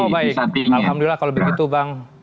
oh baik alhamdulillah kalau begitu bang